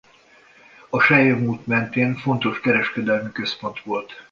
A selyemút mentén fontos kereskedelmi központ volt.